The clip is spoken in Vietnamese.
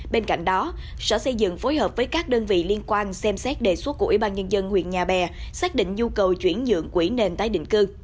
bên cạnh đó sở xây dựng phối hợp với các đơn vị liên quan xem xét đề xuất của ubnd huyện nhà bè xác định nhu cầu chuyển dựng quỹ nền tái định cư